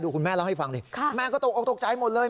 คุณแม่เล่าให้ฟังดิแม่ก็ตกออกตกใจหมดเลย